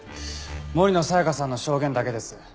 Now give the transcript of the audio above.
森野さやかさんの証言だけです。